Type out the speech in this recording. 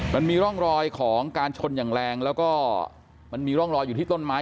มันมีร่องรอยของการชนอย่างแรงแล้วก็มันมีร่องรอยอยู่ที่ต้นไม้